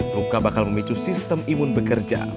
luka bakal memicu sistem imun bekerja